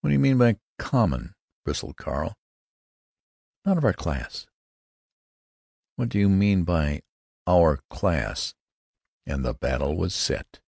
"What do you mean by 'common'?" bristled Carl. "Not of our class." "What do you mean by 'our class'?" And the battle was set.